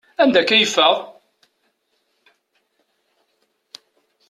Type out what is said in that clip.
Anda akka i yeffeɣ?